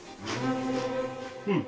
うん。